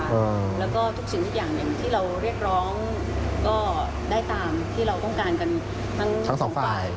แล้วก็ทุกสิ่งทุกอย่างหนึ่งที่เราเรียกร้องก็ได้ตามที่เราต้องการกันทั้งสองฝ่าย